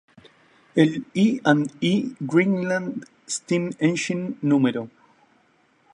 El I. and E. Greenwald Steam Engine No.